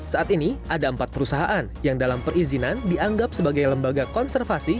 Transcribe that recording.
saat ini ada empat perusahaan yang dalam perizinan dianggap sebagai lembaga konservasi